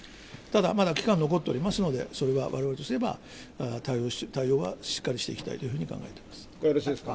ただ、まだ期間残っておりますので、それはわれわれとしては対応はしっかりしていきたいというふ